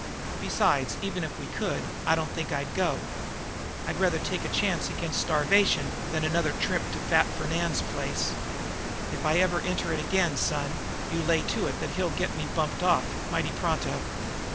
Besides, even if we could, I don't think I'd go. I'd rather take a chance against starvation than another trip to fat Fernand's place. If I ever enter it again, son, you lay to it that he'll get me bumped off, mighty pronto."